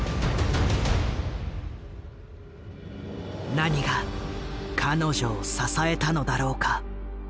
何が彼女を支えたのだろうか？